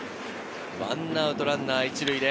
１アウトランナー１塁。